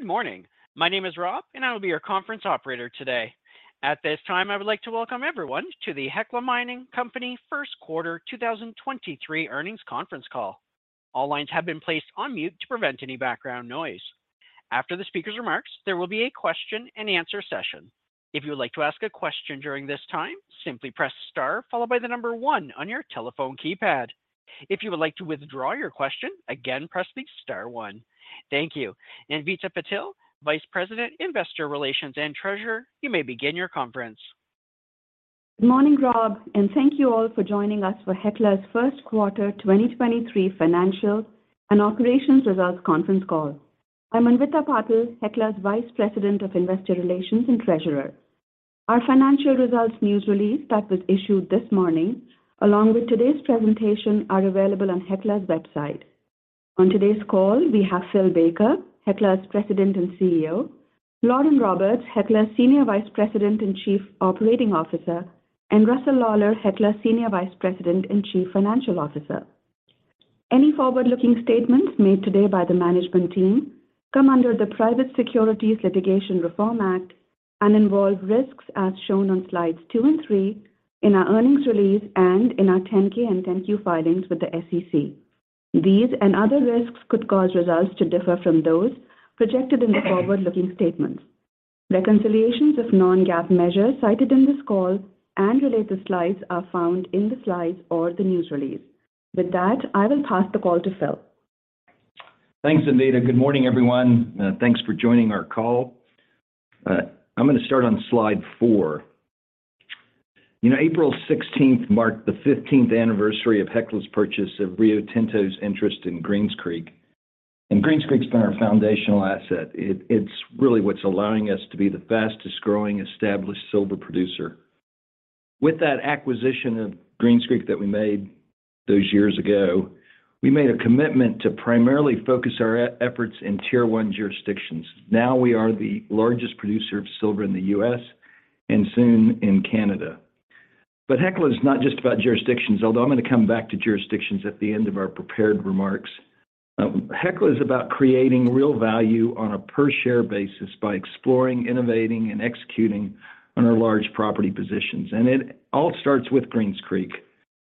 Good morning. My name is Rob, and I will be your conference operator today. At this time, I would like to welcome everyone to the Hecla Mining Company First Quarter 2023 Earnings Conference Call. All lines have been placed on mute to prevent any background noise. After the speaker's remarks, there will be a question-and-answer session. If you would like to ask a question during this time, simply press star followed by the number one on your telephone keypad. If you would like to withdraw your question, again, press the star one. Thank you. Anvita Patil, Vice President, Investor Relations, and Treasurer, you may begin your conference. Good morning, Rob, thank you all for joining us for Hecla's first quarter 2023 financial and operations results conference call. I'm Anvita Patil, Hecla's Vice President of Investor Relations and Treasurer. Our financial results news release that was issued this morning, along with today's presentation, are available on Hecla's website. On today's call, we have Phil Baker, Hecla's President and CEO, Lauren Roberts, Hecla's Senior Vice President and Chief Operating Officer, and Russell Lawlar, Hecla's Senior Vice President and Chief Financial Officer. Any forward-looking statements made today by the management team come under the Private Securities Litigation Reform Act and involve risks as shown on slides two and three in our earnings release and in our 10-K and 10-Q filings with the SEC. These and other risks could cause results to differ from those projected in the forward-looking statements. Reconciliations of non-GAAP measures cited in this call and related slides are found in the slides or the news release. With that, I will pass the call to Phil. Thanks, Anvita. Good morning, everyone. Thanks for joining our call. I'm going to start on slide four. You know, April 16th marked the 15th anniversary of Hecla's purchase of Rio Tinto's interest in Greens Creek. Greens Creek's been our foundational asset. It's really what's allowing us to be the fastest-growing established silver producer. With that acquisition of Greens Creek that we made those years ago, we made a commitment to primarily focus our efforts in Tier 1 jurisdictions. Now we are the largest producer of silver in the U.S. and soon in Canada. Hecla is not just about jurisdictions, although I'm going to come back to jurisdictions at the end of our prepared remarks. Hecla is about creating real value on a per share basis by exploring, innovating, and executing on our large property positions. It all starts with Greens Creek,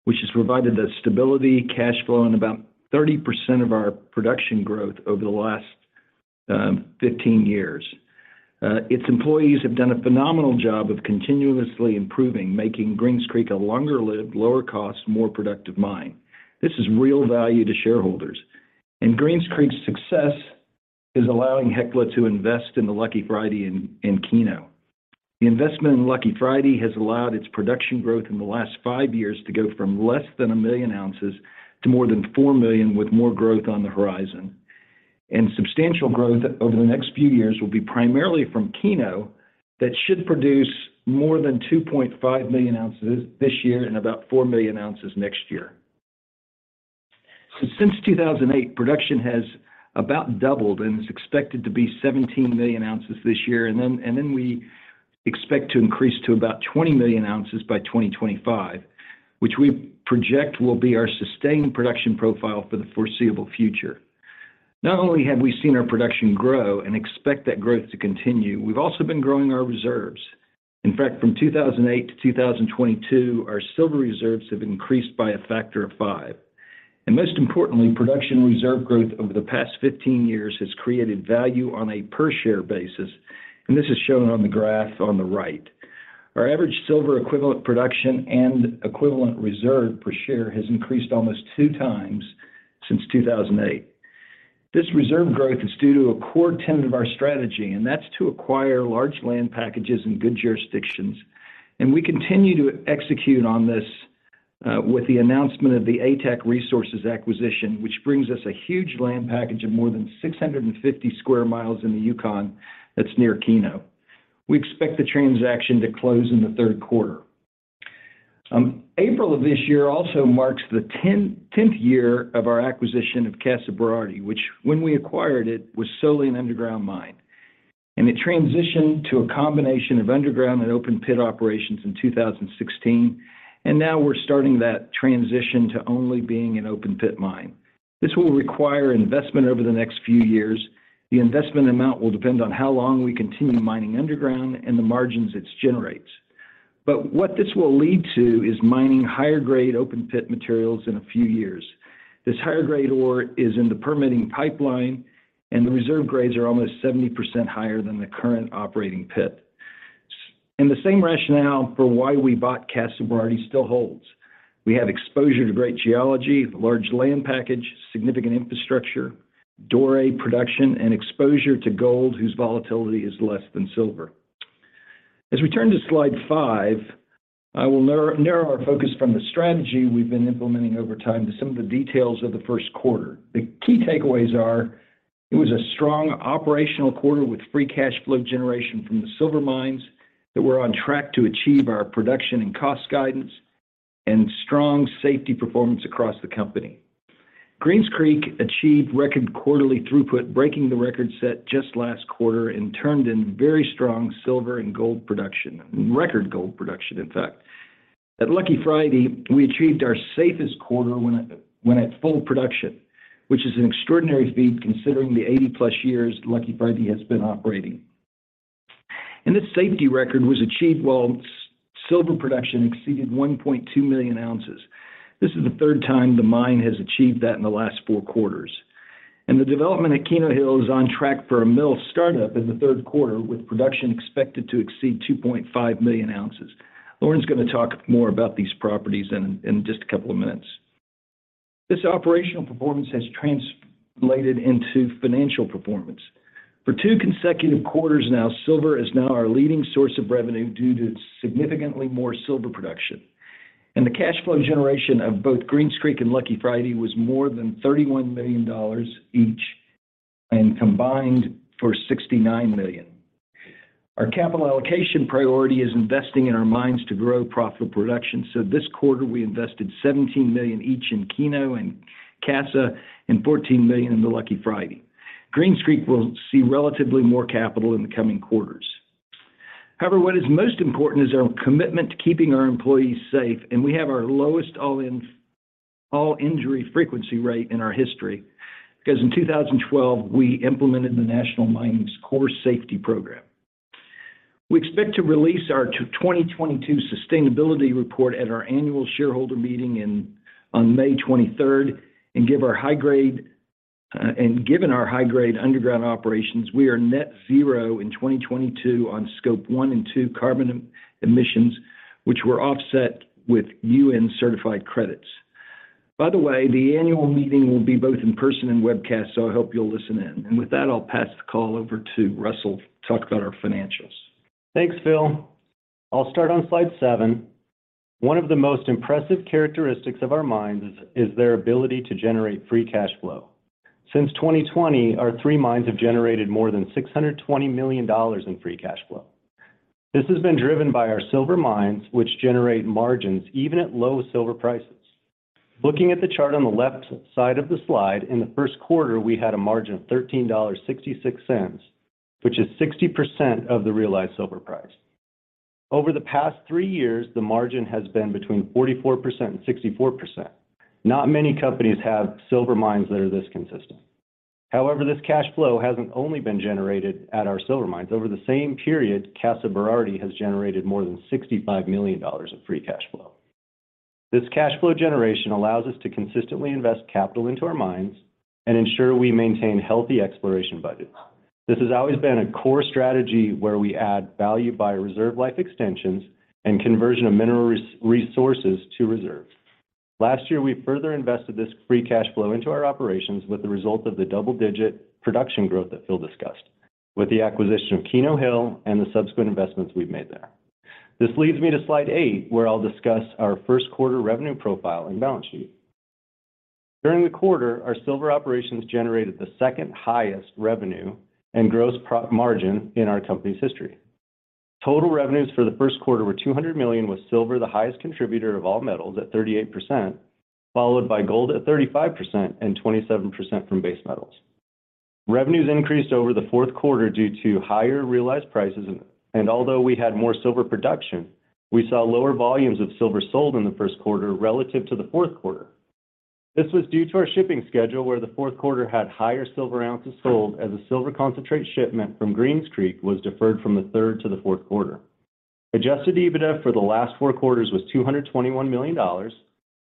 which has provided the stability, cash flow in about 30% of our production growth over the last 15 years. Its employees have done a phenomenal job of continuously improving, making Greens Creek a longer-lived, lower cost, more productive mine. This is real value to shareholders. Greens Creek's success is allowing Hecla to invest in the Lucky Friday and Keno. The investment in Lucky Friday has allowed its production growth in the last 5 years to go from less than 1 million ounces to more than 4 million, with more growth on the horizon. Substantial growth over the next few years will be primarily from Keno. That should produce more than 2.5 million ounces this year and about 4 million ounces next year. Since 2008, production has about doubled and is expected to be 17 million ounces this year. Then, and then we expect to increase to about 20 million ounces by 2025, which we project will be our sustained production profile for the foreseeable future. Not only have we seen our production grow and expect that growth to continue, we've also been growing our reserves. In fact, from 2008 to 2022, our silver reserves have increased by a factor of five. Most importantly, production reserve growth over the past 15 years has created value on a per share basis, and this is shown on the graph on the right. Our average silver equivalent production and equivalent reserve per share has increased almost 2x since 2008. This reserve growth is due to a core tenet of our strategy, that's to acquire large land packages in good jurisdictions. We continue to execute on this with the announcement of the ATAC Resources acquisition, which brings us a huge land package of more than 650 sq mi in the Yukon that's near Keno. We expect the transaction to close in the third quarter. April of this year also marks the 10th year of our acquisition of Casa Berardi, which when we acquired it, was solely an underground mine. It transitioned to a combination of underground and open pit operations in 2016, and now we're starting that transition to only being an open pit mine. This will require investment over the next few years. The investment amount will depend on how long we continue mining underground and the margins it generates. What this will lead to is mining higher grade open pit materials in a few years. This higher grade ore is in the permitting pipeline, and the reserve grades are almost 70% higher than the current operating pit. The same rationale for why we bought Casa Berardi still holds. We have exposure to great geology, large land package, significant infrastructure, doré production, and exposure to gold whose volatility is less than silver. As we turn to slide five, I will narrow our focus from the strategy we've been implementing over time to some of the details of the first quarter. The key takeaways are it was a strong operational quarter with free cash flow generation from the silver mines that were on track to achieve our production and cost guidance and strong safety performance across the company. Greens Creek achieved record quarterly throughput, breaking the record set just last quarter, and turned in very strong silver and gold production. Record gold production, in fact. At Lucky Friday, we achieved our safest quarter when at full production, which is an extraordinary feat considering the 80-plus years Lucky Friday has been operating. This safety record was achieved while silver production exceeded 1.2 million ounces. This is the third time the mine has achieved that in the last four quarters. The development at Keno Hill is on track for a mill startup in the third quarter, with production expected to exceed 2.5 million ounces. Lauren's going to talk more about these properties in just a couple of minutes. This operational performance has translated into financial performance. For two consecutive quarters now, silver is now our leading source of revenue due to significantly more silver production. The cash flow generation of both Greens Creek and Lucky Friday was more than $31 million each, and combined for $69 million. Our capital allocation priority is investing in our mines to grow profitable production. This quarter, we invested $17 million each in Keno Hill and Casa Berardi, and $14 million in the Lucky Friday. Greens Creek will see relatively more capital in the coming quarters. However, what is most important is our commitment to keeping our employees safe, and we have our lowest all-injury frequency rate in our history, because in 2012, we implemented the National Mining Association's CORESafety Program. We expect to release our 2022 sustainability report at our annual shareholder meeting on May 23rd, and given our high-grade underground operations, we are net zero in 2022 on scope one and two carbon emissions, which were offset with UN-certified credits. By the way, the annual meeting will be both in person and webcast. I hope you'll listen in. With that, I'll pass the call over to Russell to talk about our financials. Thanks, Phil. I'll start on slide seven. One of the most impressive characteristics of our mines is their ability to generate free cash flow. Since 2020, our three mines have generated more than $620 million in free cash flow. This has been driven by our silver mines, which generate margins even at low silver prices. Looking at the chart on the left side of the slide, in the first quarter, we had a margin of $13.66, which is 60% of the realized silver price. Over the past three years, the margin has been between 44% and 64%. Not many companies have silver mines that are this consistent. This cash flow hasn't only been generated at our silver mines. Over the same period, Casa Berardi has generated more than $65 million of free cash flow. This cash flow generation allows us to consistently invest capital into our mines and ensure we maintain healthy exploration budgets. This has always been a core strategy where we add value by reserve life extensions and conversion of mineral resources to reserve. Last year, we further invested this free cash flow into our operations with the result of the double-digit production growth that Phil discussed, with the acquisition of Keno Hill and the subsequent investments we've made there. This leads me to slide eight, where I'll discuss our first quarter revenue profile and balance sheet. During the quarter, our silver operations generated the second highest revenue and gross margin in our company's history. Total revenues for the first quarter were $200 million, with silver the highest contributor of all metals at 38%, followed by gold at 35% and 27% from base metals. Revenues increased over the fourth quarter due to higher realized prices, although we had more silver production, we saw lower volumes of silver sold in the first quarter relative to the fourth quarter. This was due to our shipping schedule, where the fourth quarter had higher silver ounces sold as a silver concentrate shipment from Greens Creek was deferred from the third to the fourth quarter. Adjusted EBITDA for the last four quarters was $221 million,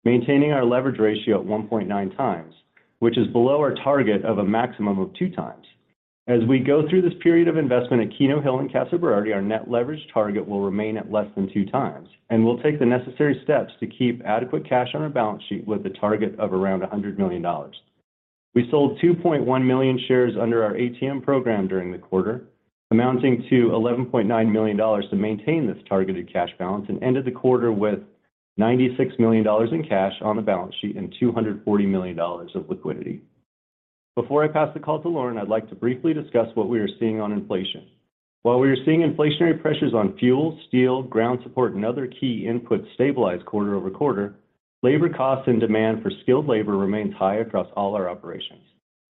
maintaining our leverage ratio at 1.9x, which is below our target of a maximum of 2x. As we go through this period of investment at Keno Hill and Casa Berardi, our net leverage target will remain at less than 2x, we'll take the necessary steps to keep adequate cash on our balance sheet with a target of around $100 million. We sold 2.1 million shares under our ATM program during the quarter, amounting to $11.9 million to maintain this targeted cash balance and ended the quarter with $96 million in cash on the balance sheet and $240 million of liquidity. Before I pass the call to Lauren, I'd like to briefly discuss what we are seeing on inflation. While we are seeing inflationary pressures on fuel, steel, ground support, and other key inputs stabilize quarter-over-quarter, labor costs and demand for skilled labor remains high across all our operations.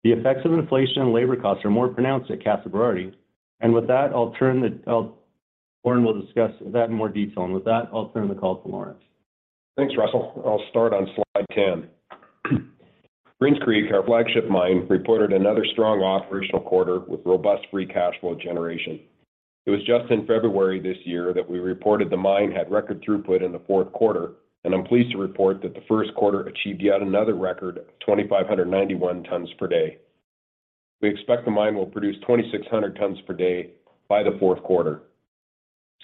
The effects of inflation and labor costs are more pronounced at Casa Berardi. With that, Lauren will discuss that in more detail. With that, I'll turn the call to Lauren. Thanks, Russell. I'll start on slide 10. Greens Creek, our flagship mine, reported another strong operational quarter with robust free cash flow generation. It was just in February this year that we reported the mine had record throughput in the fourth quarter. I'm pleased to report that the first quarter achieved yet another record of 2,591 tons per day. We expect the mine will produce 2,600 tons per day by the fourth quarter.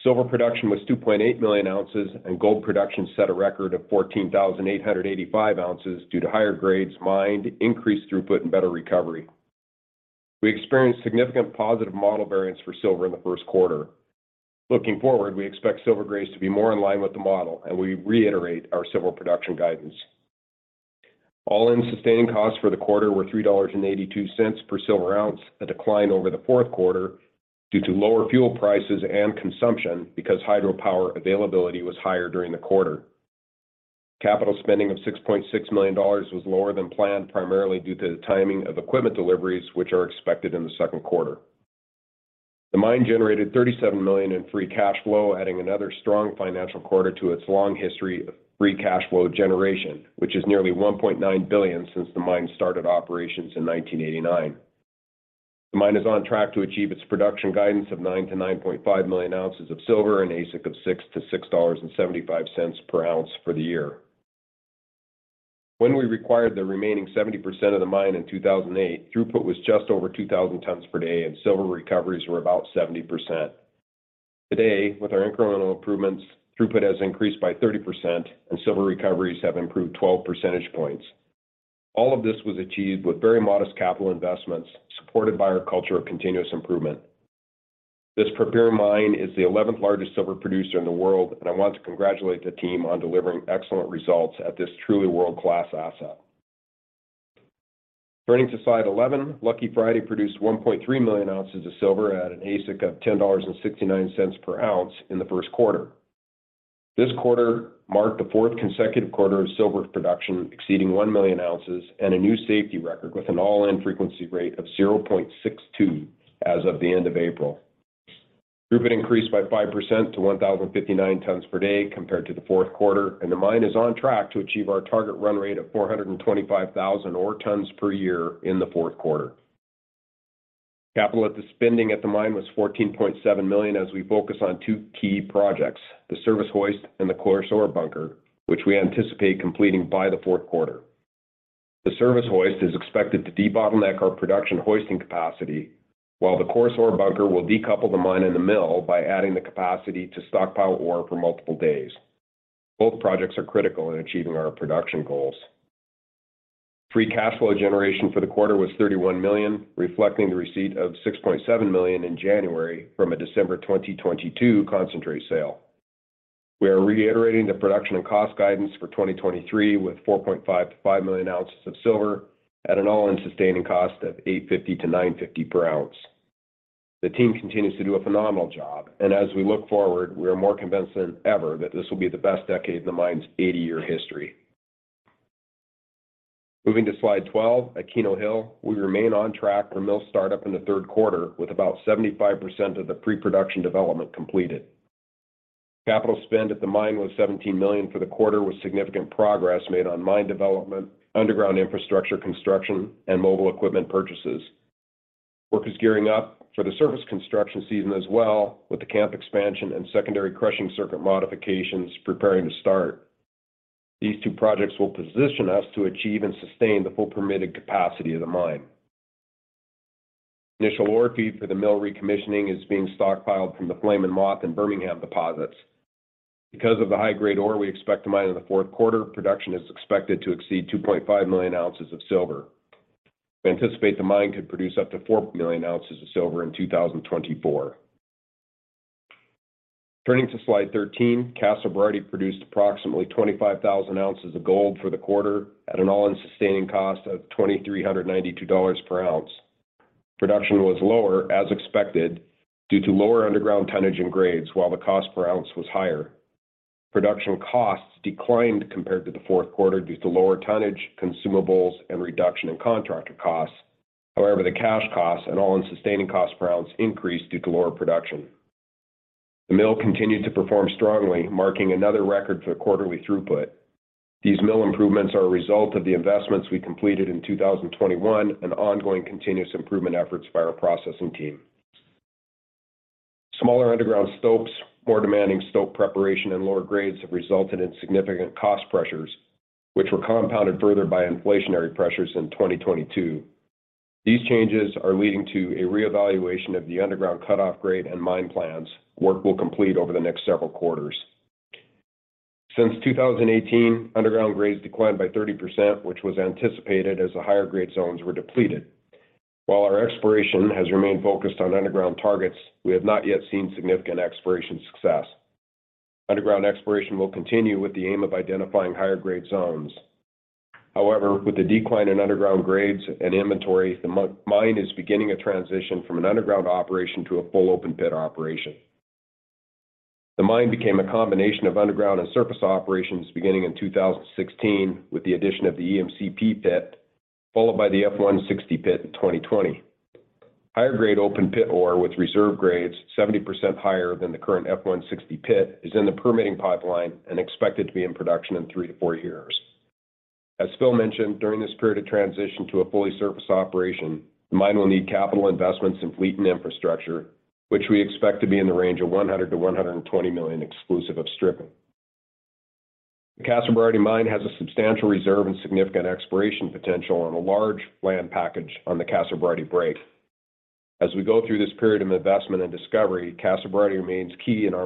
Silver production was 2.8 million ounces. Gold production set a record of 14,885 ounces due to higher grades mined, increased throughput, and better recovery. We experienced significant positive model variance for silver in the first quarter. Looking forward, we expect silver grades to be more in line with the model. We reiterate our silver production guidance. All-in Sustaining Costs for the quarter were $3.82 per silver ounce, a decline over the fourth quarter due to lower fuel prices and consumption because hydropower availability was higher during the quarter. Capital spending of $6.6 million was lower than planned, primarily due to the timing of equipment deliveries, which are expected in the second quarter. The mine generated $37 million in free cash flow, adding another strong financial quarter to its long history of free cash flow generation, which is nearly $1.9 billion since the mine started operations in 1989. The mine is on track to achieve its production guidance of 9 million to 9.5 million ounces of silver and AISC of $6.00-$6.75 per ounce for the year. When we acquired the remaining 70% of the mine in 2008, throughput was just over 2,000 tons per day and silver recoveries were about 70%. Today, with our incremental improvements, throughput has increased by 30% and silver recoveries have improved 12%. All of this was achieved with very modest capital investments supported by our culture of continuous improvement. This prepared mine is the 11th largest silver producer in the world. I want to congratulate the team on delivering excellent results at this truly world-class asset. Turning to slide 11, Lucky Friday produced 1.3 million ounces of silver at an AISC of $10.69 per ounce in the 1st quarter. This quarter marked the 4th consecutive quarter of silver production exceeding 1 million ounces and a new safety record with an all-in frequency rate of 0.62 as of the end of April. Throughput increased by 5% to 1,059 tons per day compared to the fourth quarter. The mine is on track to achieve our target run rate of 425,000 ore tons per year in the fourth quarter. Capital spending at the mine was $14.7 million as we focus on two key projects, the service hoist and the coarse ore bunker, which we anticipate completing by the fourth quarter. The service hoist is expected to debottleneck our production hoisting capacity, while the coarse ore bunker will decouple the mine and the mill by adding the capacity to stockpile ore for multiple days. Both projects are critical in achieving our production goals. Free cash flow generation for the quarter was $31 million, reflecting the receipt of $6.7 million in January from a December 2022 concentrate sale. We are reiterating the production and cost guidance for 2023 with 4.5 million to 5 million ounces of silver at an all-in sustaining cost of $8.50 to $9.50 per ounce. The team continues to do a phenomenal job, and as we look forward, we are more convinced than ever that this will be the best decade in the mine's 80-year history. Moving to slide 12, Keno Hill, we remain on track for mill startup in the third quarter with about 75% of the pre-production development completed. Capital spend at the mine was $17 million for the quarter with significant progress made on mine development, underground infrastructure construction, and mobile equipment purchases. Work is gearing up for the surface construction season as well with the camp expansion and secondary crushing circuit modifications preparing to start. These two projects will position us to achieve and sustain the full permitted capacity of the mine. Initial ore feed for the mill recommissioning is being stockpiled from the Flame & Moth in Bermingham deposits. Because of the high-grade ore we expect to mine in the fourth quarter, production is expected to exceed 2.5 million ounces of silver. We anticipate the mine could produce up to 4 million ounces of silver in 2024. Turning to slide 13, Casa Berardi produced approximately 25,000 ounces of gold for the quarter at an all-in sustaining cost of $2,392 per ounce. Production was lower, as expected, due to lower underground tonnage and grades while the cost per ounce was higher. Production costs declined compared to the fourth quarter due to lower tonnage, consumables, and reduction in contractor costs. However, the cash costs and all-in sustaining cost per ounce increased due to lower production. The mill continued to perform strongly, marking another record for quarterly throughput. These mill improvements are a result of the investments we completed in 2021 and ongoing continuous improvement efforts by our processing team. Smaller underground stopes, more demanding stope preparation, and lower grades have resulted in significant cost pressures, which were compounded further by inflationary pressures in 2022. These changes are leading to a reevaluation of the underground cut-off grade and mine plans work we'll complete over the next several quarters. Since 2018, underground grades declined by 30%, which was anticipated as the higher grade zones were depleted. While our exploration has remained focused on underground targets, we have not yet seen significant exploration success. Underground exploration will continue with the aim of identifying higher grade zones. However, with the decline in underground grades and inventory, the mine is beginning a transition from an underground operation to a full open pit operation. The mine became a combination of underground and surface operations beginning in 2016 with the addition of the EMCP pit, followed by the 160 pit in 2020. Higher grade open pit ore with reserve grades 70% higher than the current 160 pit is in the permitting pipeline and expected to be in production in three to four years. As Phil mentioned, during this period of transition to a fully surface operation, the mine will need capital investments in fleet and infrastructure, which we expect to be in the range of $100 million-$120 million, exclusive of stripping. The Casa Berardi mine has a substantial reserve and significant exploration potential on a large land package on the Casa Berardi Break. As we go through this period of investment and discovery, Casa Berardi remains key in our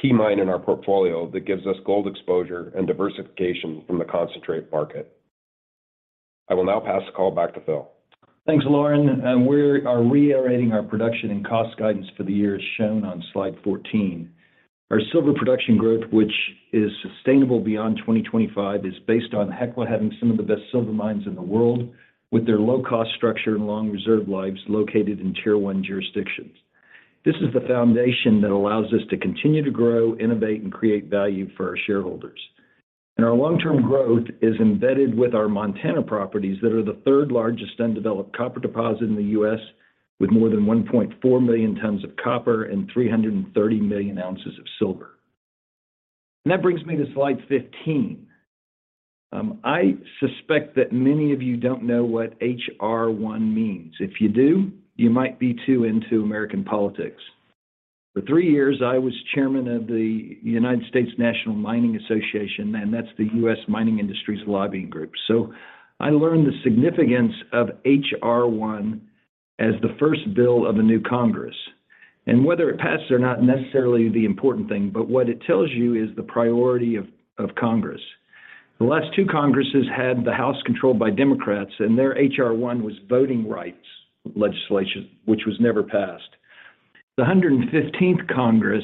key mine in our portfolio that gives us gold exposure and diversification from the concentrate market. I will now pass the call back to Phil. Thanks, Lauren, we are reiterating our production and cost guidance for the year as shown on slide 14. Our silver production growth, which is sustainable beyond 2025, is based on Hecla having some of the best silver mines in the world with their low cost structure and long reserve lives located in tier one jurisdictions. This is the foundation that allows us to continue to grow, innovate, and create value for our shareholders. Our long-term growth is embedded with our Montana properties that are the third largest undeveloped copper deposit in the U.S., with more than 1.4 million tons of copper and 330 million ounces of silver. That brings me to slide 15. I suspect that many of you don't know what H.R.1 means. If you do, you might be too into American politics. For three years, I was chairman of the United States National Mining Association, and that's the U.S. mining industry's lobbying group. I learned the significance of H.R.1 as the first bill of a new Congress. Whether it passes or not necessarily the important thing, but what it tells you is the priority of Congress. The last two Congresses had the House controlled by Democrats, and their H.R.1 was voting rights legislation, which was never passed. The 115th Congress,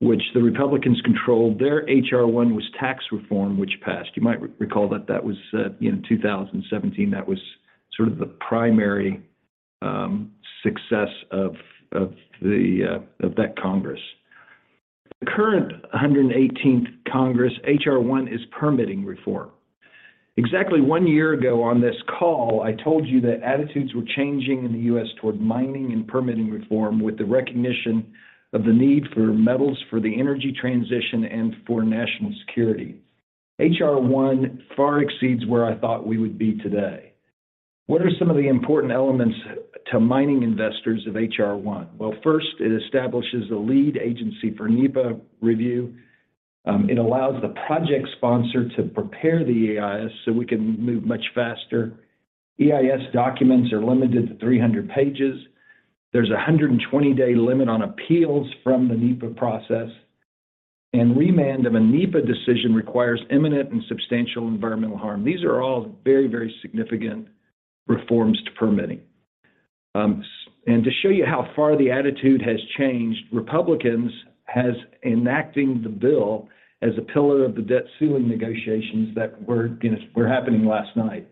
which the Republicans controlled, their H.R.1 was tax reform, which passed. You might recall that that was in 2017. That was sort of the primary success of the of that Congress. The current 118th Congress, H.R.1 is permitting reform. Exactly one year ago on this call, I told you that attitudes were changing in the U.S. toward mining and permitting reform with the recognition of the need for metals for the energy transition and for national security. H.R.1 far exceeds where I thought we would be today. What are some of the important elements to mining investors of H.R.1? Well, first, it establishes the lead agency for NEPA review. It allows the project sponsor to prepare the EIS so we can move much faster. EIS documents are limited to 300 pages. There's a 120-day limit on appeals from the NEPA process. Remand of a NEPA decision requires imminent and substantial environmental harm. These are all very, very significant reforms to permitting. To show you how far the attitude has changed, Republicans has enacting the bill as a pillar of the debt ceiling negotiations that were happening last night.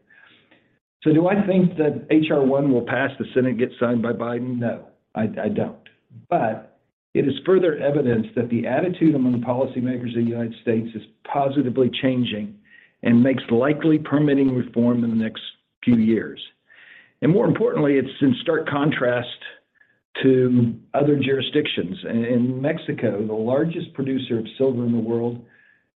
Do I think that H.R.1 will pass the Senate, get signed by Biden? No, I don't. It is further evidence that the attitude among policymakers in the United States is positively changing and makes likely permitting reform in the next few years. More importantly, it's in stark contrast to other jurisdictions. In Mexico, the largest producer of silver in the world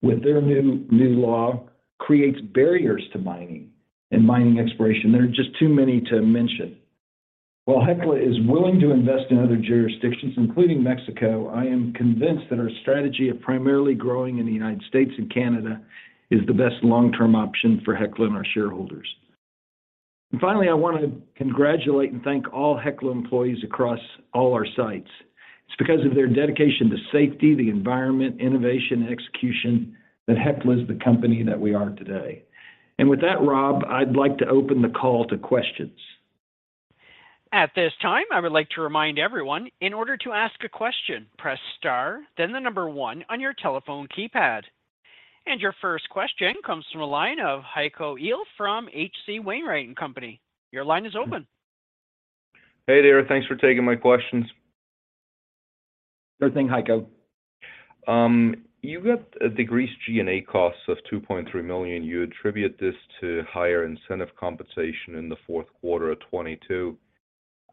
with their new law, creates barriers to mining and mining exploration. There are just too many to mention. While Hecla is willing to invest in other jurisdictions, including Mexico, I am convinced that our strategy of primarily growing in the United States and Canada is the best long-term option for Hecla and our shareholders. Finally, I want to congratulate and thank all Hecla employees across all our sites. It's because of their dedication to safety, the environment, innovation, and execution that Hecla is the company that we are today. With that, Rob, I'd like to open the call to questions. At this time, I would like to remind everyone, in order to ask a question, press star, then the 1 on your telephone keypad. Your first question comes from a line of Heiko Ihle from H.C. Wainwright & Co. Your line is open. Hey there. Thanks for taking my questions. Sure thing, Heiko. You got a decreased G&A cost of $2.3 million. You attribute this to higher incentive compensation in the fourth quarter of 2022.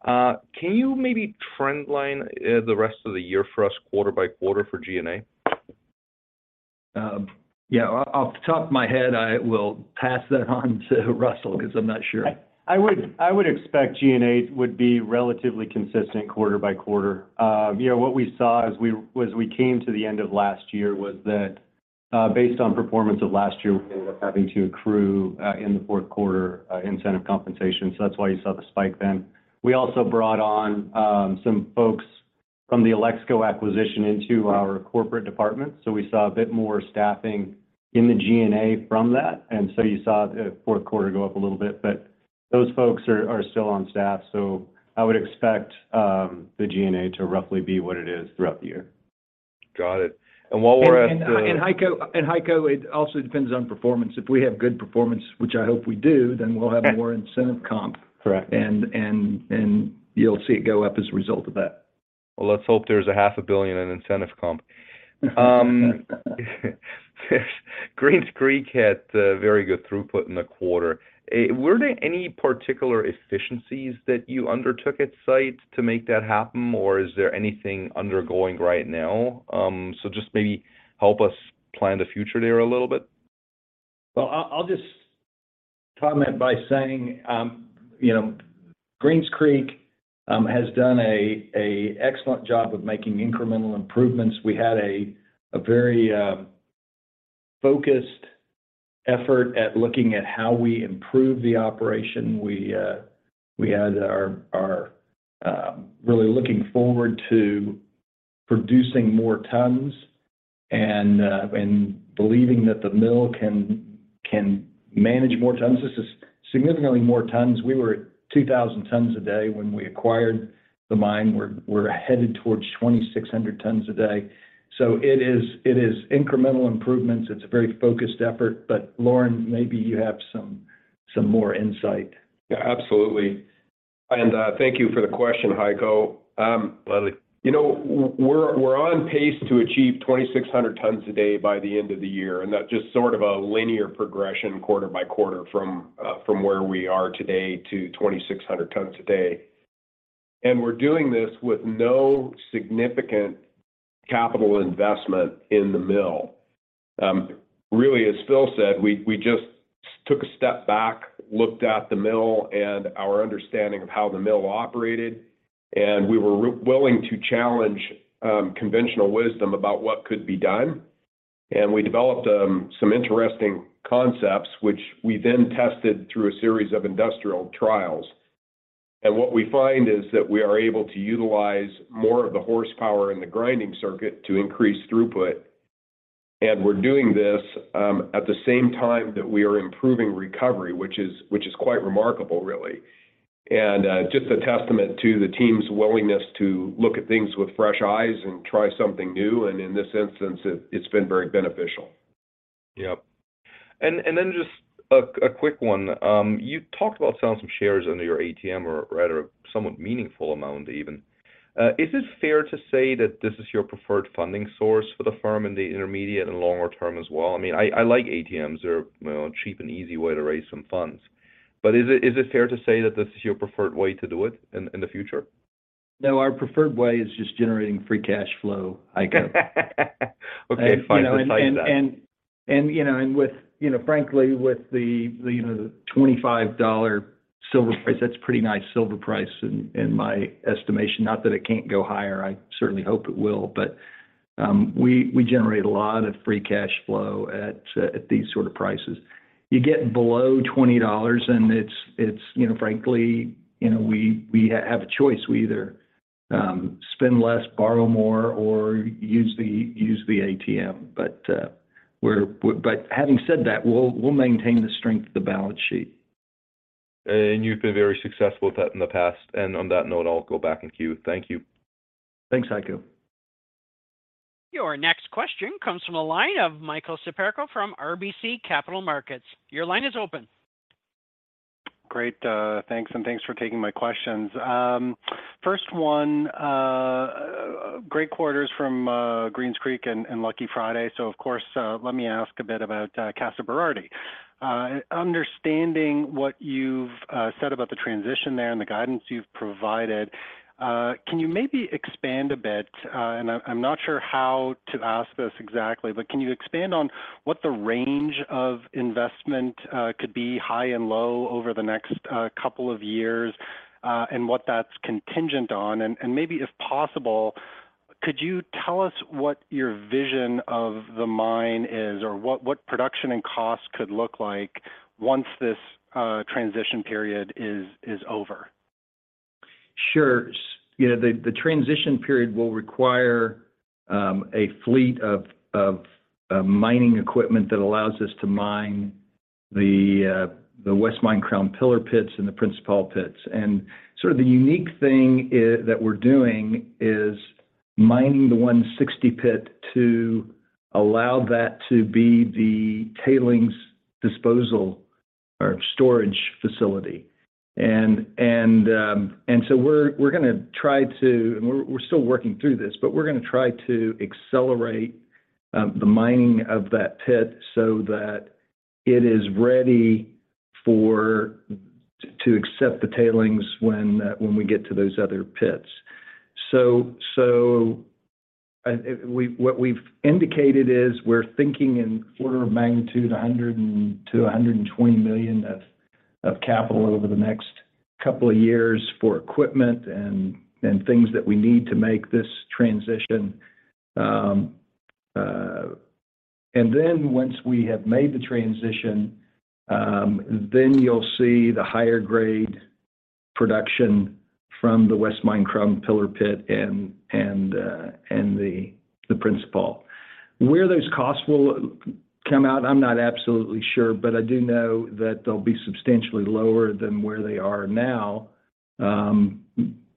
Can you maybe trendline the rest of the year for us quarter by quarter for G&A? Off the top of my head, I will pass that on to Russell because I'm not sure. I would expect G&A would be relatively consistent quarter by quarter. You know, what we saw as we came to the end of last year was that, based on performance of last year, we ended up having to accrue in the fourth quarter incentive compensation. That's why you saw the spike then. We also brought on some folks from the Alexco acquisition into our corporate department. We saw a bit more staffing in the G&A from that. You saw the fourth quarter go up a little bit, but those folks are still on staff. I would expect the G&A to roughly be what it is throughout the year. Got it. Heiko, it also depends on performance. If we have good performance, which I hope we do, then we'll have more incentive comp. Correct. You'll see it go up as a result of that. Well, let's hope there's a half a billion in incentive comp. Greens Creek had very good throughput in the quarter. Were there any particular efficiencies that you undertook at site to make that happen, or is there anything undergoing right now? Just maybe help us plan the future there a little bit. Well, I'll just comment by saying, you know, Greens Creek has done a excellent job of making incremental improvements. We had a very focused effort at looking at how we improve the operation. We had our really looking forward to producing more tons and believing that the mill can manage more tons. This is significantly more tons. We were at 2,000 tons a day when we acquired the mine. We're headed towards 2,600 tons a day. It is incremental improvements. It's a very focused effort. Lauren, maybe you have some more insight. Yeah, absolutely. Thank you for the question, Heiko. Gladly. You know, we're on pace to achieve 2,600 tons a day by the end of the year, that's just sort of a linear progression quarter by quarter from where we are today to 2,600 tons a day. We're doing this with no significant capital investment in the mill. Really, as Phil said, we just took a step back, looked at the mill and our understanding of how the mill operated, we were willing to challenge conventional wisdom about what could be done. We developed some interesting concepts which we then tested through a series of industrial trials. What we find is that we are able to utilize more of the horsepower in the grinding circuit to increase throughput. We're doing this at the same time that we are improving recovery, which is quite remarkable, really. Just a testament to the team's willingness to look at things with fresh eyes and try something new, and in this instance, it's been very beneficial. Yep. Then just a quick one. You talked about selling some shares under your ATM or at a somewhat meaningful amount even. Is it fair to say that this is your preferred funding source for the firm in the intermediate and longer term as well? I mean, I like ATMs. They're, well, a cheap and easy way to raise some funds. Is it fair to say that this is your preferred way to do it in the future? No, our preferred way is just generating free cash flow, Heiko. Okay, fine. Besides that. You know, and with, you know, frankly, with the, you know, the $25 silver price, that's pretty nice silver price in my estimation. Not that it can't go higher, I certainly hope it will. We generate a lot of free cash flow at these sort of prices. You get below $20 and it's, you know, frankly, you know, we have a choice. We either spend less, borrow more, or use the ATM. We're but having said that, we'll maintain the strength of the balance sheet. You've been very successful with that in the past. On that note, I'll go back in queue. Thank you. Thanks, Heiko. Your next question comes from the line of Michael Siperco from RBC Capital Markets. Your line is open. Great, thanks, and thanks for taking my questions. First one, great quarters from Greens Creek and Lucky Friday. Of course, let me ask a bit about Casa Berardi. Understanding what you've said about the transition there and the guidance you've provided, can you maybe expand a bit, and I'm not sure how to ask this exactly, but can you expand on what the range of investment could be, high and low, over the next couple of years, and what that's contingent on? Maybe if possible, could you tell us what your vision of the mine is or what production and cost could look like once this transition period is over? Sure. you know, the transition period will require a fleet of mining equipment that allows us to mine the West Mine Crown Pillar pits and the Principal pits. Sort of the unique thing that we're doing is mining the 160 pit to allow that to be the tailings disposal or storage facility. We're going to try to, we're still working through this, but we're going to try to accelerate the mining of that pit so that it is ready for to accept the tailings when we get to those other pits. What we've indicated is we're thinking in order of magnitude $100 million-$120 million of capital over the next couple of years for equipment and things that we need to make this transition. Once we have made the transition, then you'll see the higher grade production from the West Mine Crown Pillar pit and the Principal. Where those costs will come out, I'm not absolutely sure, but I do know that they'll be substantially lower than where they are now,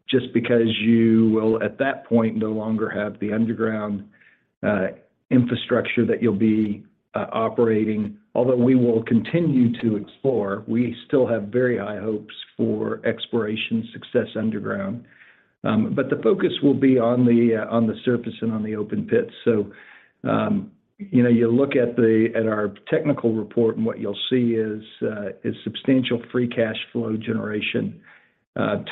just because you will, at that point, no longer have the underground infrastructure that you'll be operating. Although we will continue to explore. We still have very high hopes for exploration success underground. The focus will be on the surface and on the open pits. You know, you look at our technical report and what you'll see is substantial free cash flow generation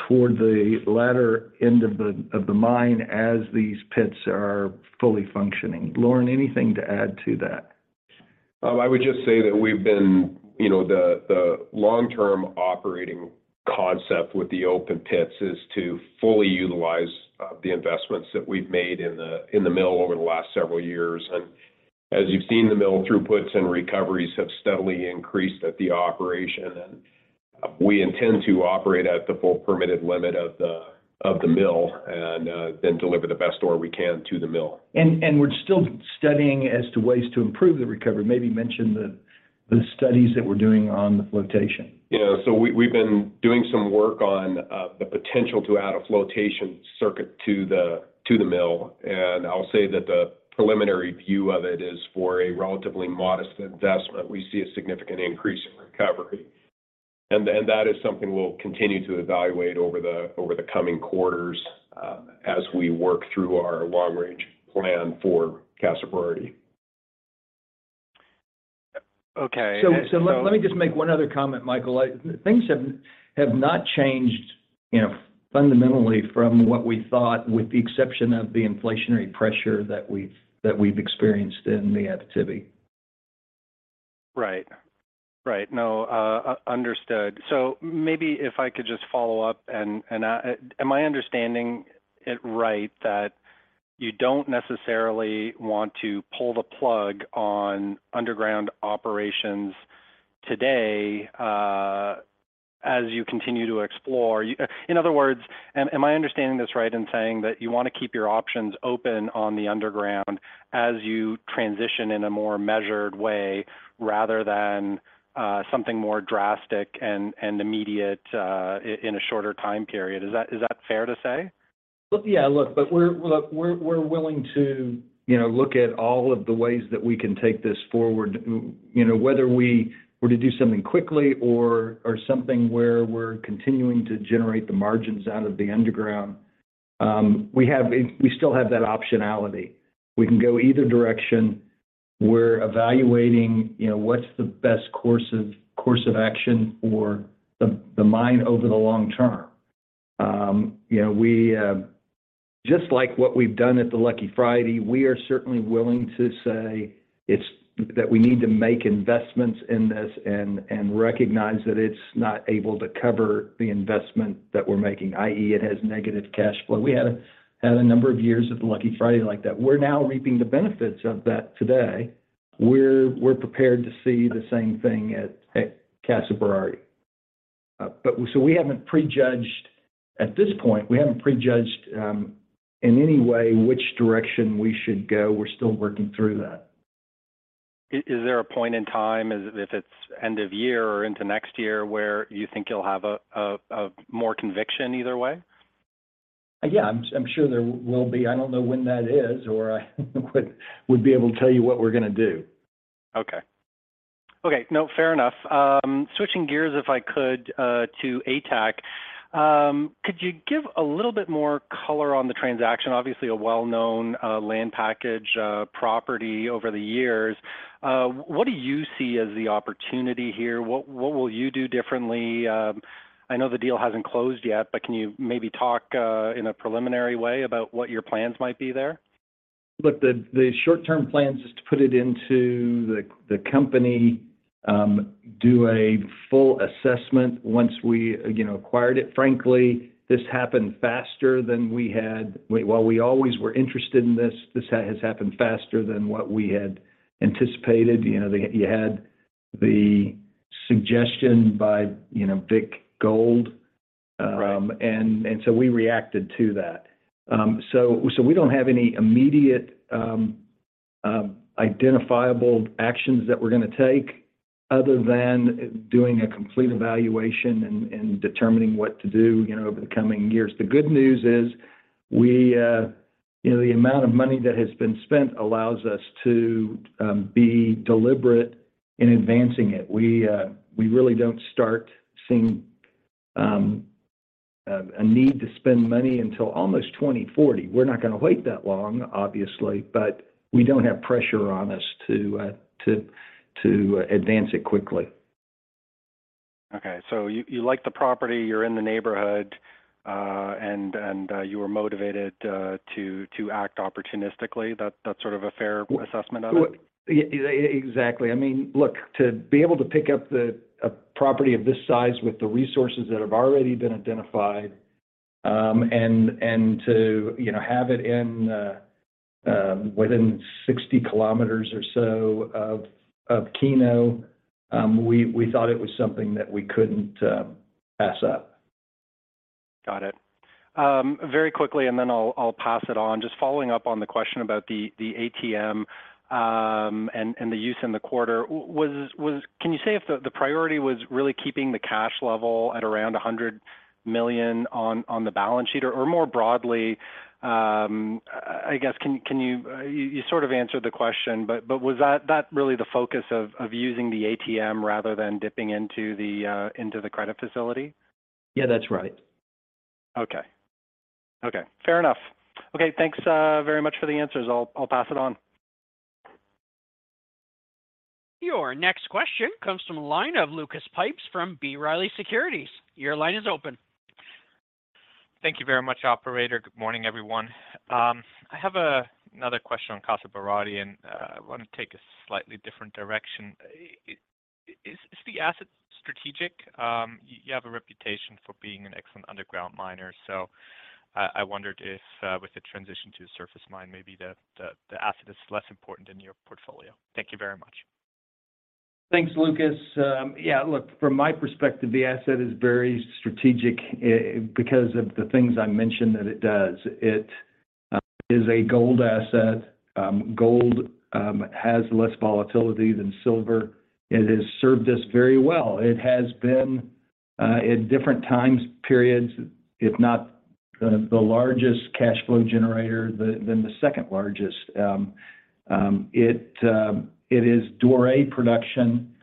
toward the latter end of the mine as these pits are fully functioning. Lauren, anything to add to that? I would just say that we've been, you know, the long-term operating concept with the open pits is to fully utilize, the investments that we've made in the, in the mill over the last several years. As you've seen, the mill throughputs and recoveries have steadily increased at the operation, and we intend to operate at the full permitted limit of the, of the mill and, then deliver the best ore we can to the mill. We're still studying as to ways to improve the recovery. Maybe mention the studies that we're doing on the flotation. Yeah. We've been doing some work on the potential to add a flotation circuit to the mill. I'll say that the preliminary view of it is for a relatively modest investment, we see a significant increase in recovery. That is something we'll continue to evaluate over the coming quarters, as we work through our long-range plan for Casa Berardi. Okay. Let me just make one other comment, Michael. Things have not changed, you know, fundamentally from what we thought, with the exception of the inflationary pressure that we've experienced in the Abitibi. Right. Right. No, understood. Maybe if I could just follow up and, am I understanding it right that you don't necessarily want to pull the plug on underground operations today, as you continue to explore? In other words, am I understanding this right in saying that you want to keep your options open on the underground as you transition in a more measured way rather than, something more drastic and immediate, in a shorter time period? Is that fair to say? We're willing to, you know, look at all of the ways that we can take this forward. Whether we were to do something quickly or something where we're continuing to generate the margins out of the underground, we still have that optionality. We can go either direction. We're evaluating, you know, what's the best course of action for the mine over the long term. You know, we, just like what we've done at the Lucky Friday, we are certainly willing to say that we need to make investments in this and recognize that it's not able to cover the investment that we're making, i.e., it has negative cash flow. We had a number of years at the Lucky Friday like that. We're now reaping the benefits of that today. We're prepared to see the same thing at Casa Berardi. We haven't prejudged at this point, we haven't prejudged in any way which direction we should go. We're still working through that. Is there a point in time, as if it's end of year or into next year, where you think you'll have a more conviction either way? Yeah, I'm sure there will be. I don't know when that is, or I would be able to tell you what we're going to do. Okay. Okay. No, fair enough. Switching gears, if I could, to ATAC. Could you give a little bit more color on the transaction? Obviously, a well-known, land package, property over the years. What will you do differently? I know the deal hasn't closed yet, but can you maybe talk, in a preliminary way about what your plans might be there? Look, the short-term plan is just to put it into the company, do a full assessment once we, you know, acquired it. Frankly, this happened faster than we had. While we always were interested in this has happened faster than what we had anticipated. You know, you had the suggestion by, you know, big gold. Right We reacted to that. We don't have any immediate, identifiable actions that we're going to take other than doing a complete evaluation and determining what to do, you know, over the coming years. The good news is we, you know, the amount of money that has been spent allows us to be deliberate in advancing it. We really don't start seeing a need to spend money until almost 2040. We're not going to wait that long, obviously, but we don't have pressure on us to advance it quickly. Okay. You like the property, you're in the neighborhood, and you were motivated to act opportunistically. That's sort of a fair assessment of it? Well, exactly. I mean, look, to be able to pick up a property of this size with the resources that have already been identified, and to, you know, have it in within 60Km or so of Keno, we thought it was something that we couldn't pass up. Got it. Very quickly, and then I'll pass it on. Just following up on the question about the ATM, and the use in the quarter. Can you say if the priority was really keeping the cash level at around $100 million on the balance sheet? Or more broadly. You sort of answered the question, but was that really the focus of using the ATM rather than dipping into the credit facility? Yeah, that's right. Okay. Okay, fair enough. Okay, thanks, very much for the answers. I'll pass it on. Your next question comes from a line of Lucas Pipes from B. Riley Securities. Your line is open. Thank you very much, operator. Good morning, everyone. I have another question on Casa Berardi, and I want to take a slightly different direction. Is the asset strategic? You have a reputation for being an excellent underground miner, so I wondered if with the transition to a surface mine, maybe the asset is less important in your portfolio. Thank you very much. Thanks, Lucas. From my perspective, the asset is very strategic because of the things I mentioned that it does. It is a gold asset. Gold has less volatility than silver. It has served us very well. It has been at different times periods, if not the largest cash flow generator than the second largest. It is doré production.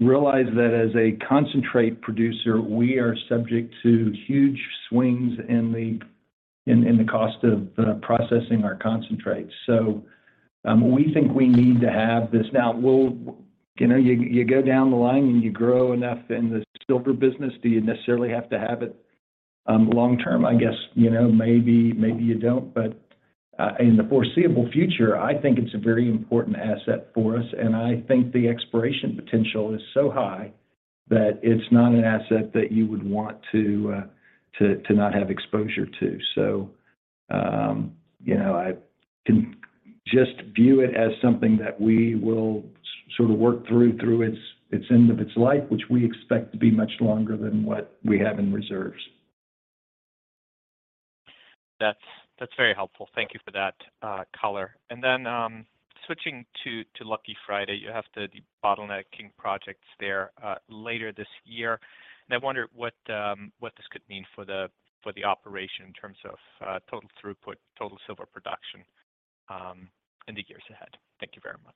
Realize that as a concentrate producer, we are subject to huge swings in the cost of the processing our concentrates. We think we need to have this. You know, you go down the line and you grow enough in the silver business. Do you necessarily have to have it long term? I guess, you know, maybe you don't. In the foreseeable future, I think it's a very important asset for us, and I think the exploration potential is so high that it's not an asset that you would want to not have exposure to. You know, I can just view it as something that we will sort of work through its end of its life, which we expect to be much longer than what we have in reserves. That's very helpful. Thank you for that color. Then, switching to Lucky Friday. You have the debottlenecking projects there later this year. I wonder what this could mean for the operation in terms of total throughput, total silver production in the years ahead. Thank you very much.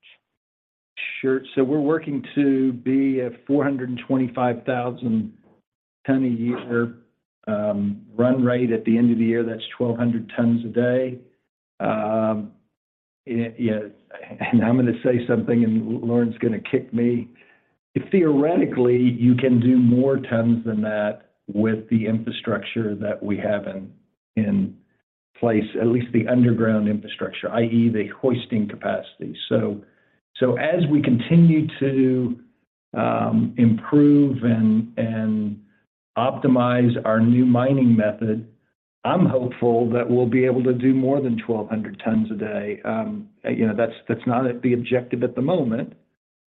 Sure. We're working to be at 425,000 ton a year run rate at the end of the year. That's 1,200 tons a day. Yes. I'm going to say something, Lauren's going to kick me. Theoretically, you can do more tons than that with the infrastructure that we have in place, at least the underground infrastructure, i.e., the hoisting capacity. As we continue to improve and optimize our new mining method, I'm hopeful that we'll be able to do more than 1,200 tons a day. You know, that's not the objective at the moment.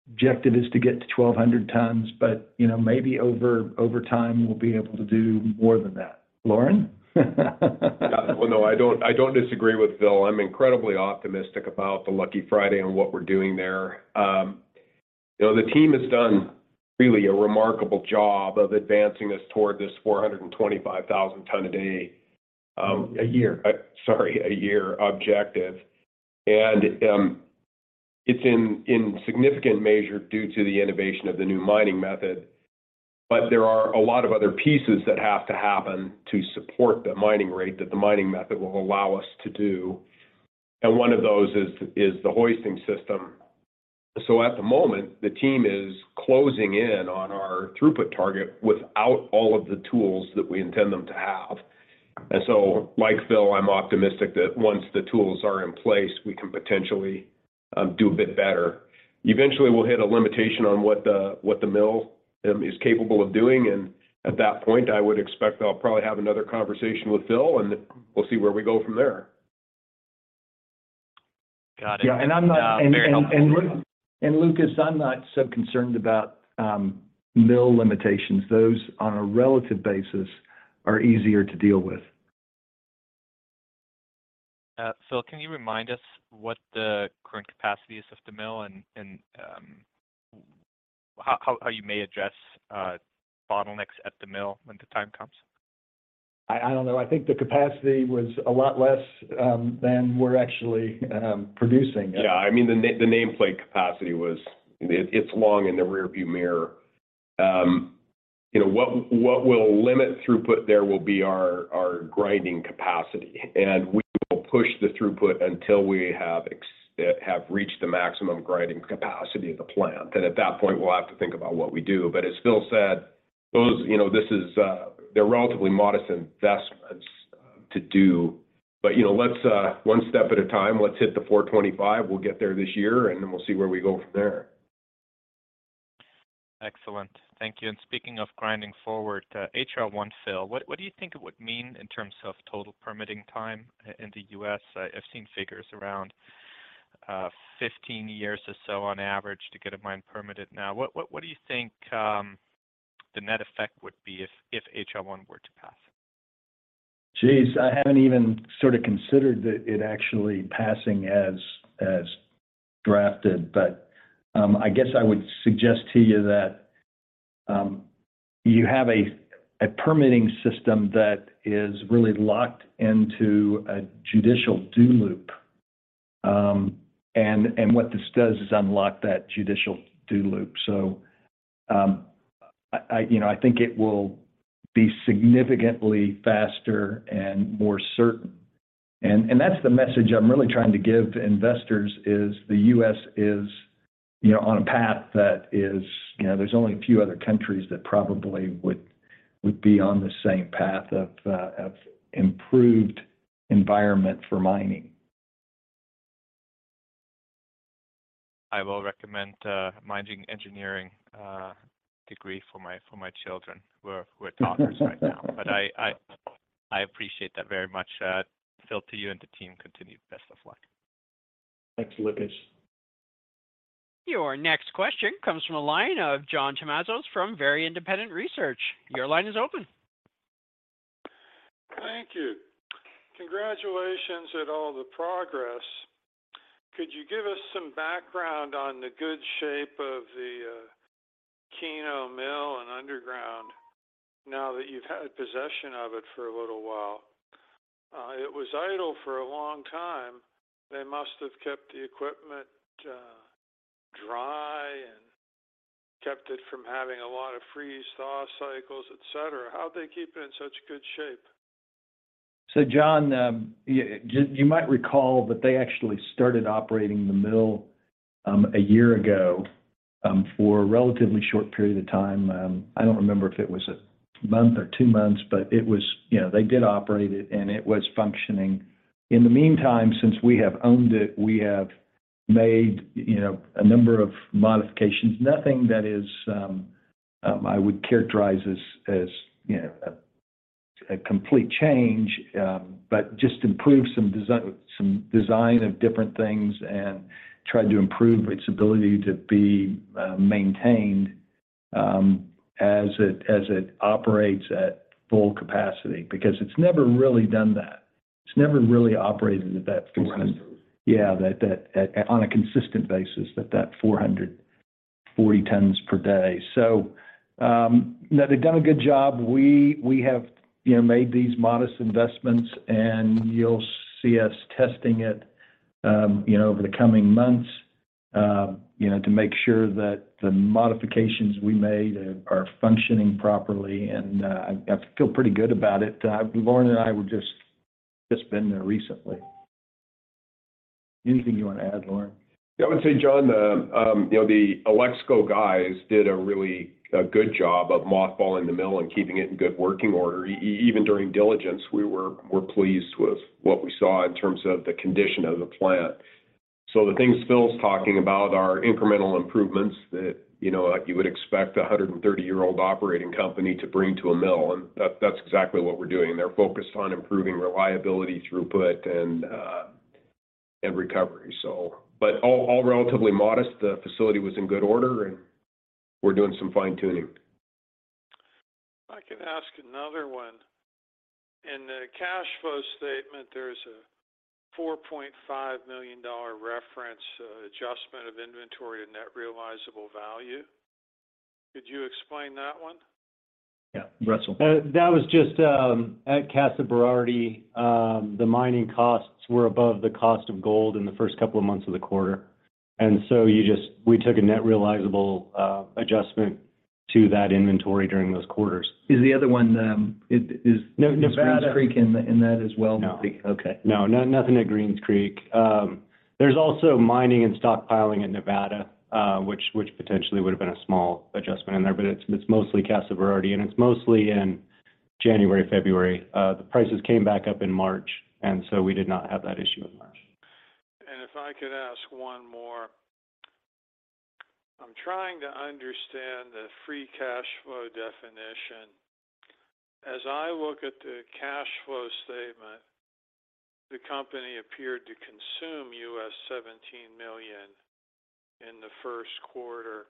The objective is to get to 1,200 tons, but, you know, maybe over time, we'll be able to do more than that. Lauren? Well, no, I don't disagree with Phil. I'm incredibly optimistic about the Lucky Friday and what we're doing there. You know, the team has done really a remarkable job of advancing us toward this 425,000 ton a day. A year. Sorry, a year objective. It's in significant measure due to the innovation of the new mining method. There are a lot of other pieces that have to happen to support the mining rate that the mining method will allow us to do, and one of those is the hoisting system. At the moment, the team is closing in on our throughput target without all of the tools that we intend them to have. Like Phil, I'm optimistic that once the tools are in place, we can potentially do a bit better. Eventually, we'll hit a limitation on what the mill is capable of doing, and at that point, I would expect I'll probably have another conversation with Phil, and we'll see where we go from there. Got it. Yeah. I'm not- Very helpful. Lucas, I'm not so concerned about mill limitations. Those, on a relative basis, are easier to deal with. Phil, can you remind us what the current capacity is of the mill and how you may address bottlenecks at the mill when the time comes? I don't know. I think the capacity was a lot less, than we're actually producing. Yeah. I mean, the nameplate capacity was. It's long in the rearview mirror. You know, what will limit throughput there will be our grinding capacity. We will push the throughput until we have reached the maximum grinding capacity of the plant. At that point, we'll have to think about what we do. As Phil said, those, you know, this is. They're relatively modest investments to do. You know, let's one step at a time. Let's hit the 425. We'll get there this year, and then we'll see where we go from there. Excellent. Thank you. Speaking of grinding forward, H.R.1, Phil, what do you think it would mean in terms of total permitting time in the U.S.? I've seen figures around 15 years or so on average to get a mine permitted now. What do you think the net effect would be if H.R.1 were to pass? Jeez, I haven't even sort of considered it actually passing as drafted. I guess I would suggest to you that you have a permitting system that is really locked into a judicial do loop. What this does is unlock that judicial do loop. I, you know, I think it will be significantly faster and more certain. That's the message I'm really trying to give to investors, is the U.S. is, you know, on a path that is, you know, there's only a few other countries that probably would be on the same path of improved environment for mining. I will recommend, mining engineering, degree for my children who are toddlers right now. I appreciate that very much. Phil, to you and the team, continued best of luck. Thanks, Lucas. Your next question comes from the line of John Tumazos from Very Independent Research. Your line is open. Thank you. Congratulations at all the progress. Could you give us some background on the good shape of the Keno Hill and underground now that you've had possession of it for a little while? It was idle for a long time. They must have kept the equipment dry and kept it from having a lot of freeze-thaw cycles, et cetera. How'd they keep it in such good shape? John, you might recall that they actually started operating the mill a year ago for a relatively short period of time. I don't remember if it was a month or two months, but it was. You know, they did operate it, and it was functioning. In the meantime, since we have owned it, we have made, you know, a number of modifications. Nothing that is, I would characterize as, you know, a complete change. Just improved some design of different things and tried to improve its ability to be maintained as it operates at full capacity. Because it's never really done that. It's never really operated at that kind of. Consistently. Yeah, that on a consistent basis, at that 440 tons per day. No, they've done a good job. We have, you know, made these modest investments, and you'll see us testing it, you know, over the coming months, you know, to make sure that the modifications we made are functioning properly, and I feel pretty good about it. Lauren and I were just been there recently. Anything you want to add, Lauren? Yeah. I would say, John, you know, the Alexco guys did a really, a good job of mothballing the mill and keeping it in good working order. Even during diligence, we're pleased with what we saw in terms of the condition of the plant. The things Phil's talking about are incremental improvements that, you know, like you would expect a 130-year-old operating company to bring to a mill, and that's exactly what we're doing. They're focused on improving reliability, throughput, and recovery, so. All relatively modest. The facility was in good order, and we're doing some fine-tuning. If I can ask another one. In the cash flow statement, there's a $4.5 million reference, adjustment of inventory and net realizable value. Could you explain that one? Yeah. Russell? That was just at Casa Berardi, the mining costs were above the cost of gold in the first couple of months of the quarter. You just, we took a net realizable adjustment to that inventory during those quarters. Is the other one? No. Greens Creek in that as well? No. Okay. No. No-nothing at Greens Creek. There's also mining and stockpiling at Nevada, which potentially would have been a small adjustment in there, but it's mostly Casa Berardi, and it's mostly in January, February. The prices came back up in March. We did not have that issue in March. If I could ask one more. I'm trying to understand the free cash flow definition. As I look at the cash flow statement, the company appeared to consume $17 million in the first quarter,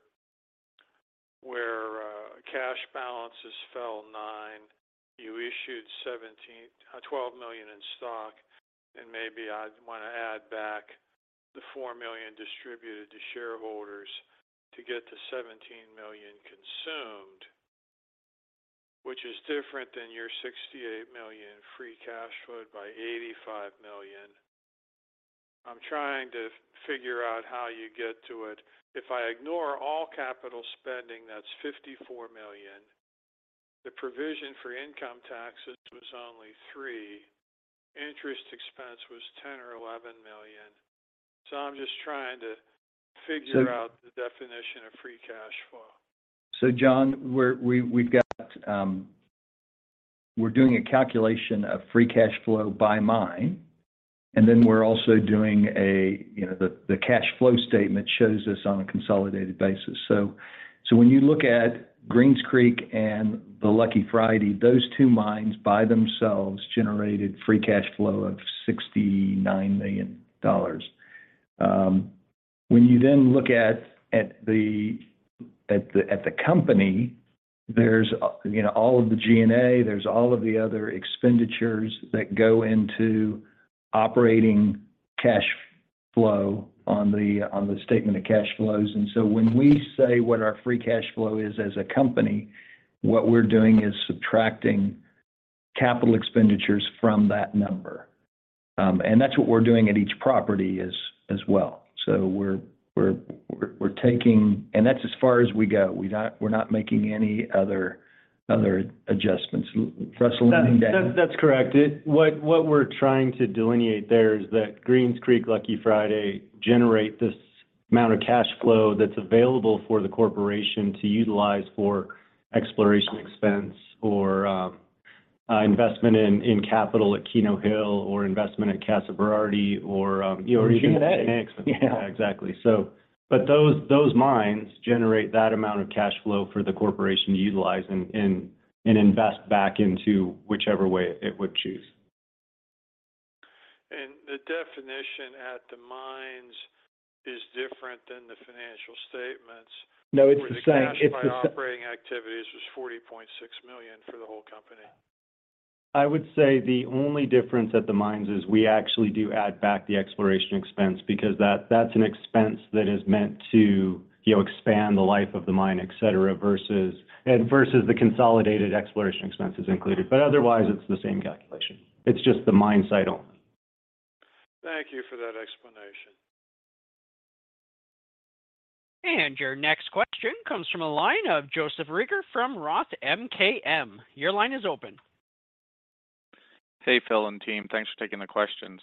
where cash balances fell $9 million, you issued $12 million in stock, and maybe I'd want to add back the $4 million distributed to shareholders to get to $17 million consumed, which is different than your $68 million free cash flow by $85 million. I'm trying to figure out how you get to it. If I ignore all capital spending, that's $54 million. The provision for income taxes was only $3 million. Interest expense was $10 million or $11 million. I'm just trying to figure out the definition of free cash flow. John, we've got. We're doing a calculation of free cash flow by mine, and then we're also doing a, you know, the cash flow statement shows this on a consolidated basis. When you look at Greens Creek and the Lucky Friday, those two mines by themselves generated free cash flow of $69 million. When you look at the company, there's, you know, all of the G&A, there's all of the other expenditures that go into operating cash flow on the statement of cash flows. When we say what our free cash flow is as a company, what we're doing is subtracting capital expenditures from that number. That's what we're doing at each property as well. We're taking... That's as far as we go. We're not making any other adjustments. Russell, anything to add? That's correct. What we're trying to delineate there is that Greens Creek, Lucky Friday generate this amount of cash flow that's available for the corporation to utilize for exploration expense or investment in capital at Keno Hill or investment at Casa Berardi or, you know. G&A. or G&A. Yeah, exactly. But those mines generate that amount of cash flow for the corporation to utilize and invest back into whichever way it would choose. The definition at the mines is different than the financial statements. No, it's the same. It's the. Where the cash by operating activities was $40.6 million for the whole company. I would say the only difference at the mines is we actually do add back the exploration expense because that's an expense that is meant to, you know, expand the life of the mine, et cetera, versus the consolidated exploration expenses included. Otherwise it's the same calculation. It's just the mine site only. Thank you for that explanation. Your next question comes from a line of Joseph Reagor from Roth MKM. Your line is open. Hey, Phil and team. Thanks for taking the questions.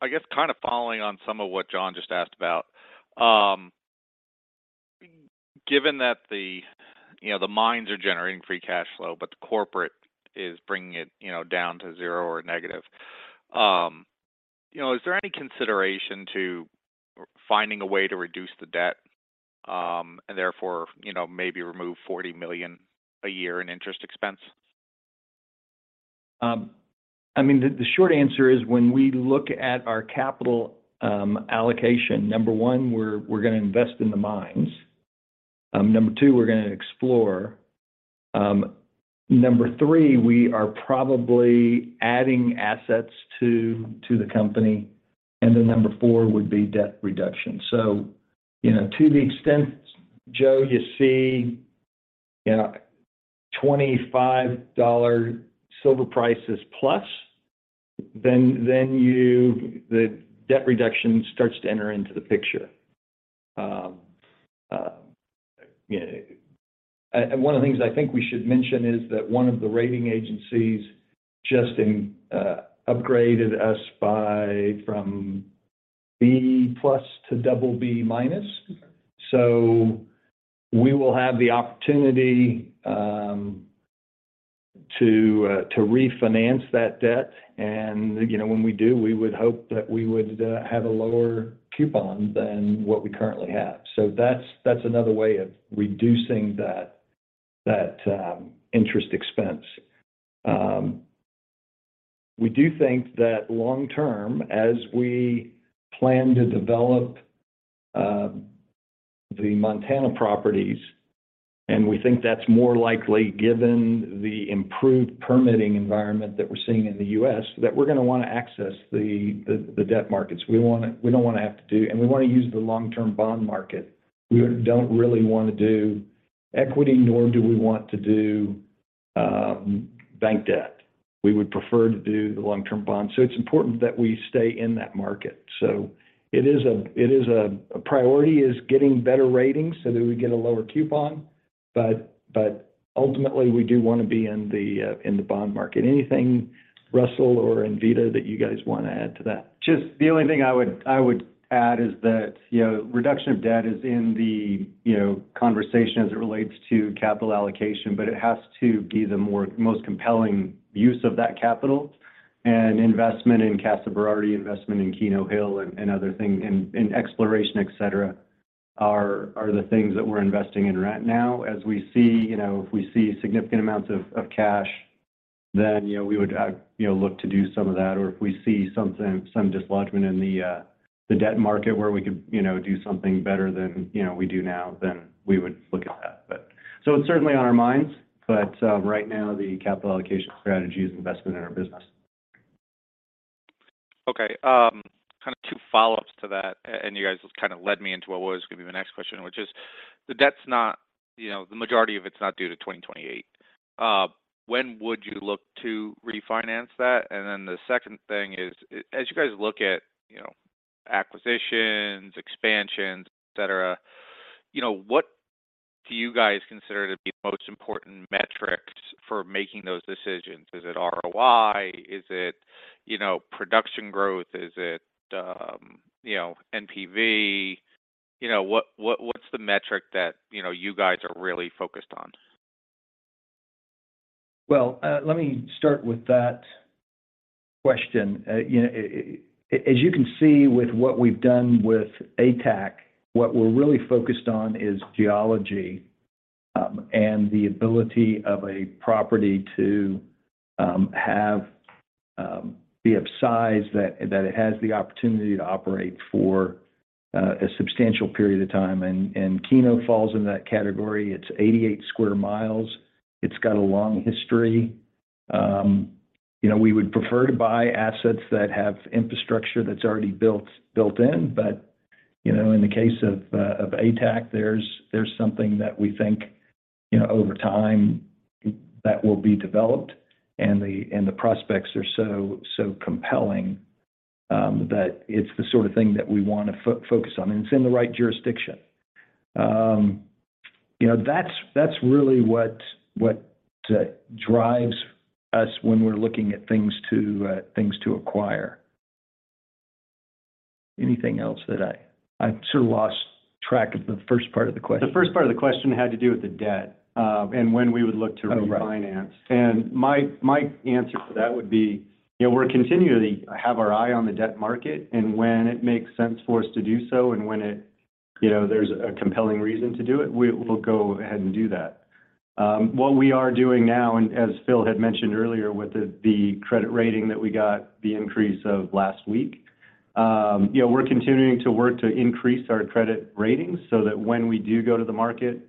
I guess kind of following on some of what John just asked about, given that the, you know, the mines are generating free cash flow, but the corporate is bringing it, you know, down to zero or negative, you know, is there any consideration to finding a way to reduce the debt, and therefore, you know, maybe remove $40 million a year in interest expense? I mean, the short answer is when we look at our capital allocation, number one, we're going to invest in the mines. Number two, we're going to explore. Number three, we are probably adding assets to the company. Number four would be debt reduction. You know, to the extent, Joe, you see, you know, $25 silver prices plus, then the debt reduction starts to enter into the picture. You know. One of the things I think we should mention is that one of the rating agencies just upgraded us by, from B+ to BB-. We will have the opportunity to refinance that debt and, you know, when we do, we would hope that we would have a lower coupon than what we currently have. That's another way of reducing that interest expense. We do think that long term, as we plan to develop the Montana properties, and we think that's more likely given the improved permitting environment that we're seeing in the U.S., that we're going to access the debt markets. We don't want to have to do. We want to use the long-term bond market. We don't really want to do equity, nor do we want to do bank debt. We would prefer to do the long-term bond. It's important that we stay in that market. It is a priority is getting better ratings so that we get a lower coupon. Ultimately, we do want to be in the bond market. Anything, Russell or Anvita, that you guys wanna add to that? Just the only thing I would add is that, you know, reduction of debt is in the, you know, conversation as it relates to capital allocation, but it has to be the most compelling use of that capital. Investment in Casa Berardi, investment in Keno Hill and other thing, in exploration, et cetera, are the things that we're investing in right now. As we see, you know, if we see significant amounts of cash, then, you know, we would, you know, look to do some of that. If we see something, some dislodgement in the debt market where we could, you know, do something better than, you know, we do now, then we would look at that. It's certainly on our minds, but right now the capital allocation strategy is investment in our business. Okay. kind of two follow-ups to that, you guys kind of led me into what was going to be my next question, which is the debt's not, you know, the majority of it's not due to 2028. When would you look to refinance that? The second thing is, as you guys look at, you know, acquisitions, expansions, et cetera, you know, what do you guys consider to be the most important metrics for making those decisions? Is it ROI? Is it, you know, production growth? Is it, you know, NPV? You know, what, what's the metric that, you know, you guys are really focused on? Well, let me start with that question. You know, as you can see with what we've done with ATAC, what we're really focused on is geology, and the ability of a property to have be of size that it has the opportunity to operate for a substantial period of time. Keno falls into that category. It's 88 square miles. It's got a long history. You know, we would prefer to buy assets that have infrastructure that's already built in. You know, in the case of S&P, there's something that we think, you know, over time that will be developed and the prospects are so compelling that it's the sort of thing that we want to focus on, and it's in the right jurisdiction. You know, that's really what drives us when we're looking at things to things to acquire. Anything else that I sort of lost track of the first part of the question. The first part of the question had to do with the debt, and when we would look to refinance. Oh, right. My answer to that would be, you know, we're continually have our eye on the debt market, and when it makes sense for us to do so, and when it, you know, there's a compelling reason to do it, we'll go ahead and do that. What we are doing now, and as Phil had mentioned earlier with the credit rating that we got, the increase of last week. You know, we're continuing to work to increase our credit ratings so that when we do go to the market,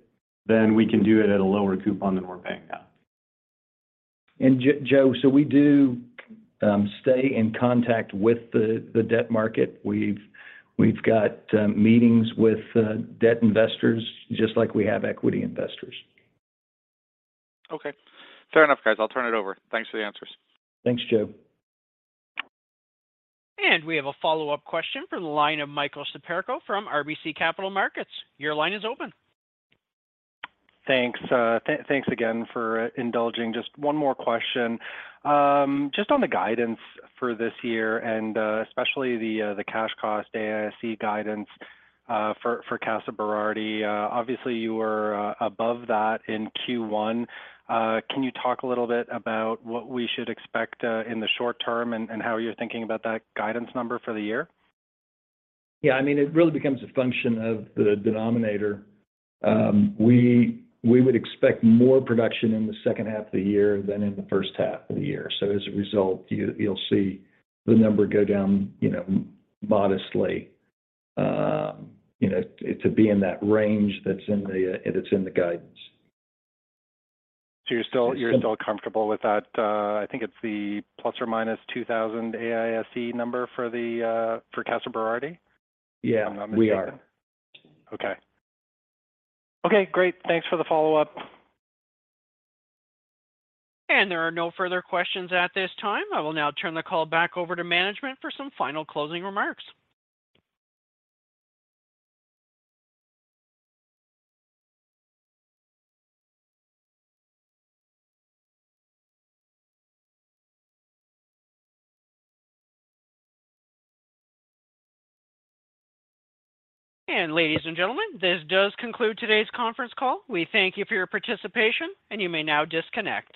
we can do it at a lower coupon than we're paying now. Joe, we do stay in contact with the debt market. We've got meetings with debt investors just like we have equity investors. Okay. Fair enough, guys. I'll turn it over. Thanks for the answers. Thanks, Joe. We have a follow-up question from the line of Michael Siperco from RBC Capital Markets. Your line is open. Thanks. Thanks again for indulging just one more question. Just on the guidance for this year and especially the cash cost AISC guidance, for Casa Berardi, obviously you were above that in Q1. Can you talk a little bit about what we should expect in the short term and how you're thinking about that guidance number for the year? Yeah. I mean, it really becomes a function of the denominator. We would expect more production in the second half of the year than in the first half of the year. As a result, you'll see the number go down, you know, modestly. You know, it to be in that range that's in the, that's in the guidance. You're still comfortable with that, I think it's the ±$2,000 AISC number for the, for Casa Berardi? Yeah, we are. If I'm not mistaken. Okay. Okay, great. Thanks for the follow-up. There are no further questions at this time. I will now turn the call back over to management for some final closing remarks. Ladies and gentlemen, this does conclude today's conference call. We thank you for your participation, and you may now disconnect.